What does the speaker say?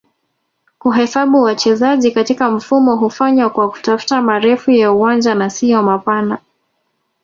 kuhesabu wachezaji katika mfumo hufanywa kwa kufuata marefu ya uwanja na sio mapana